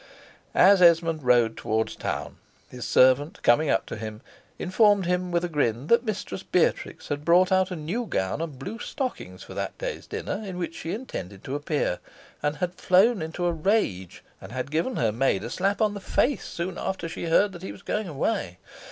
As Esmond rode towards town his servant, coming up to him, informed him with a grin, that Mistress Beatrix had brought out a new gown and blue stockings for that day's dinner, in which she intended to appear, and had flown into a rage and given her maid a slap on the face soon after she heard he was going away.